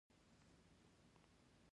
آیا پښتون یو تمدن جوړونکی قوم نه دی؟